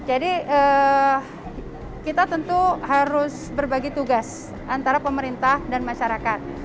jadi kita tentu harus berbagi tugas antara pemerintah dan masyarakat